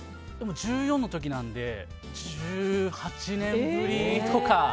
１４の時からなので１８年ぶりとか。